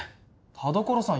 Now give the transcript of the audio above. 田所さん